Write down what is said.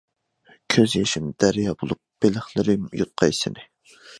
كۆز يېشىم دەريا بولۇپ، بېلىقلىرىم يۇتقاي سېنى!